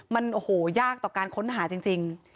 มันโอ้โหยากต่อการค้นหาจริง